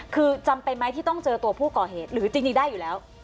คือจำเป็นไหมที่ต้องเจอตัวผู้ก่อเหตุหรือจริงได้อยู่แล้ว